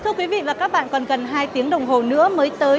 thưa quý vị và các bạn còn gần hai tiếng đồng hồ nữa mới tới